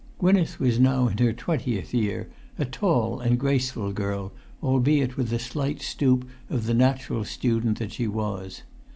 Gwynneth was now in her twentieth year, a tall and graceful girl, albeit with the slight stoop of the natural student that she was.